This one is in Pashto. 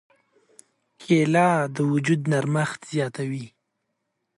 کېله د وجود نرمښت زیاتوي.